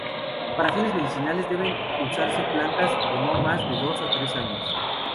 Para fines medicinales deben usarse plantas de no más de dos o tres años.